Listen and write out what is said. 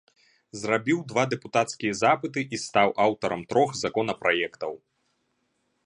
Зрабіў два дэпутацкія запыты і стаў аўтарам трох законапраектаў.